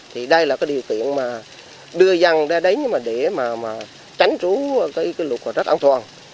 thì đây là điều kiện đưa dân đến để tránh trú lụt rất an toàn